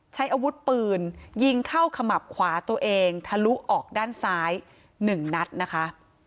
ใช้อาวุธปืนยิงเข้าขมับขวาตัวเองทะลุออกด้านซ้าย๑นัดนะคะ